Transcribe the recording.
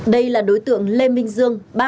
đây là đối tượng lê minh dương